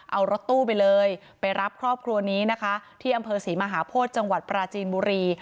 เอารถตู้ไปเลยไปรับครอบครัวนี้นะคะที่อำเภอศรีมหาโพธิจังหวัดปราจีนบุรี